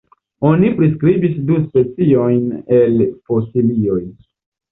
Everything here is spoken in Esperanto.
Oni priskribis du speciojn el fosilioj.